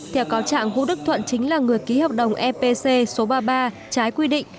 theo cáo trạng vũ đức thuận chính là người ký hợp đồng epc số ba mươi ba trái quy định